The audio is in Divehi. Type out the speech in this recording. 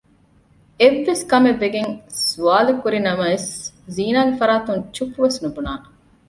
އެއްވެސް ކަމެއްވެގެން ސްވާލެއްކުރިނަމަވެސް ޒީނާގެ ފަރާތުން ޗުއްޕުވެސް ނުބުނާނެ